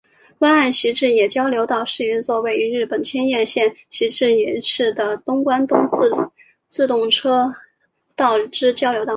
湾岸习志野交流道是一座位于日本千叶县习志野市的东关东自动车道之交流道。